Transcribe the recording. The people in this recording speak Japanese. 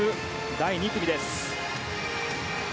第２組です。